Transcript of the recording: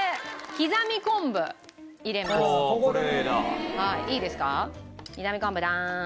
刻み昆布ドーン。